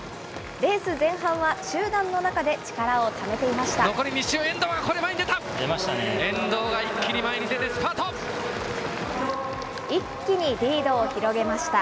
レース前半は集団の中で力をためていました。